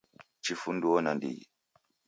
Chifunduo na ndighi.